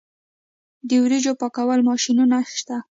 د وریجو پاکولو ماشینونه شته